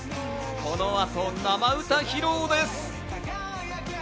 この後、生歌披露です。